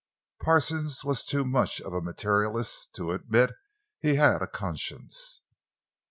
Parsons was too much of a materialist to admit he had a conscience.